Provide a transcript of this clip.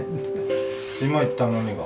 今言ったのにが？